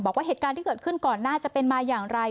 บอกว่าเหตุการณ์ที่เกิดขึ้นก่อนหน้าจะเป็นมาอย่างไร